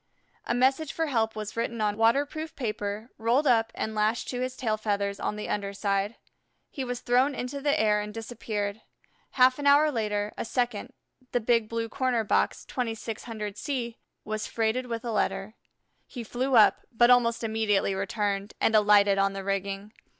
A message for help was written on waterproof paper, rolled up, and lashed to his tail feathers on the under side. He was thrown into the air and disappeared. Half an hour later, a second, the Big Blue Corner box, 2600 C, was freighted with a letter. He flew up, but almost immediately returned and alighted on the rigging.